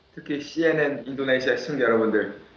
tukis cnn indonesia semuanya ya rabun